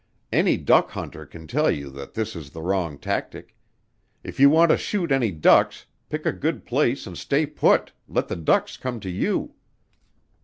Any duck hunter can tell you that this is the wrong tactic; if you want to shoot any ducks pick a good place and stay put, let the ducks come to you.